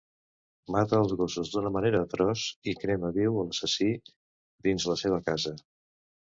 Mata els gossos d'una manera atroç i crema viu l'assassí dins la seva casa.